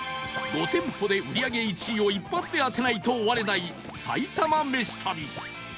５店舗で売り上げ１位を一発で当てないと終われない埼玉めし旅